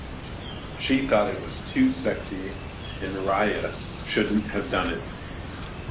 She thought it was too sexy, and Riya shouldn't have done it.